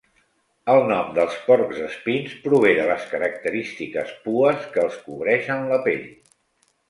El nom dels porcs espins prové de les característiques pues que els cobreixen la pell.